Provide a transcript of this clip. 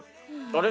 あれ？